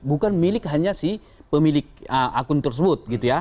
bukan milik hanya si pemilik akun tersebut gitu ya